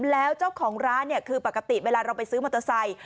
แล้วเจ้าของร้านเนี่ยคือปกติเวลาเราไปซื้อมอเตอร์ไซค์